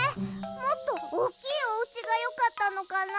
もっとおっきいおうちがよかったのかな。